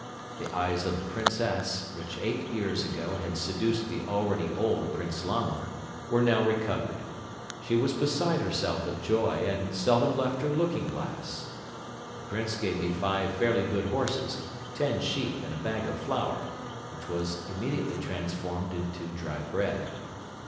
The eyes of the Princess, which eight years ago had seduced the already old Prince Lama, were now recovered. She was beside herself with joy and seldom left her looking glass. The Prince gave me five fairly good horses, ten sheep and a bag of flour, which was immediately transformed into dry bread.